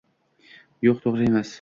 Yo‘q, to‘g‘ri emas!